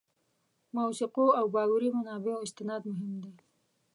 موثقو او باوري منابعو استناد مهم دی.